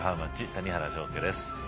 谷原章介です。